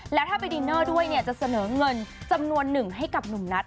แล้วถ้าไปดินเนอร์ด้วยเนี่ยจะเสนอเงินจำนวนหนึ่งให้กับหนุ่มนัท